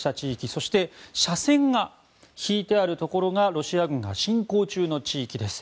そして斜線が引いてあるところがロシア軍が侵攻中の地域です。